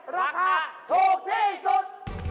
ราคาถูกที่สุด